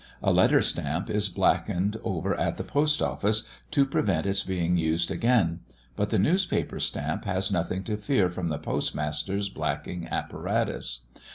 A letter stamp is blackened over at the Post Office, to prevent its being used again; but the newspaper stamp has nothing to fear from the postmaster's blacking apparatus.